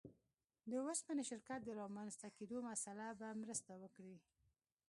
د اوسپنې شرکت د رامنځته کېدو مسأله به مرسته وکړي.